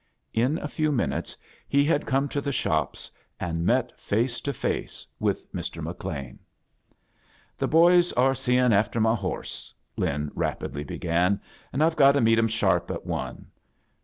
In a few mintrtes he had come to the shops, and met face to face with Mr. McLean. "The boys are seein' after my horse," Lin rapidly began, "and Tve got to meet 'em sharp at one.